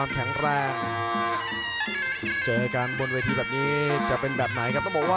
ทุ่งมนต์สิงหะเดชายิม